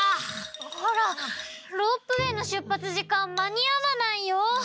ほらロープウエーのしゅっぱつじかんまにあわないよ！